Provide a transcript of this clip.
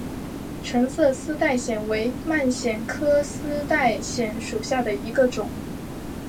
橙色丝带藓为蔓藓科丝带藓属下的一个种。